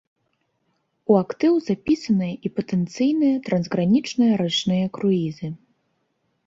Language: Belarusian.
У актыў запісаныя і патэнцыйныя трансгранічныя рачныя круізы.